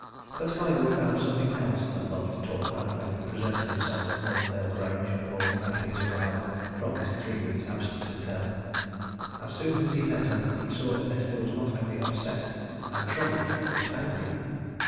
But Collingwood found something else than love to talk about when he presented himself at Normandale Grange on the morning after his arrival from his three weeks' absence in town. As soon as he met her, he saw that Nesta was not only upset and troubled, but angry.